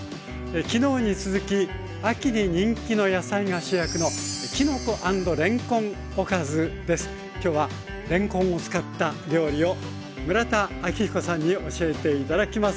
昨日に続き秋に人気の野菜が主役のきょうはれんこんを使った料理を村田明彦さんに教えて頂きます。